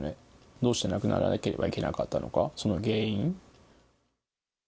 どうして亡くならなければいけなかったのか、その原因。